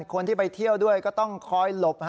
คนที่ไปเที่ยวด้วยก็ต้องคอยหลบ